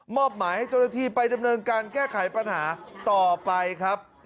อบหมายให้เจ้าหน้าที่ไปดำเนินการแก้ไขปัญหาต่อไปครับ